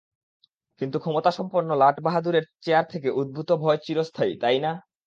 কিন্তু ক্ষমতাসম্পন্ন লাট-বাহাদুরের চেয়ার থেকে উদ্ভূত ভয় চিরস্থায়ী, তাই না?